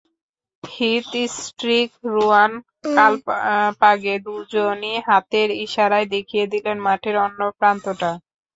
Heath Streak, Ruwan Kalpage দুজনই হাতের ইশারায় দেখিয়ে দিলেন মাঠের অন্য প্রান্তটা।